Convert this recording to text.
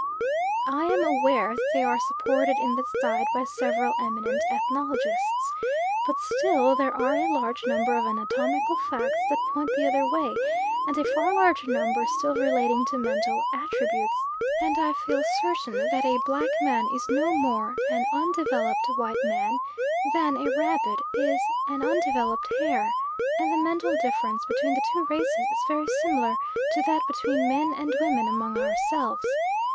I am aware that they are supported in this idea by several eminent ethnologists; but still there are a large number of anatomical facts that point the other way, and a far larger number still relating to mental attributes, and I feel certain that a black man is no more an undeveloped white man than a rabbit is an undeveloped hare; and the mental difference between the two races is very similar to that between men and women among ourselves.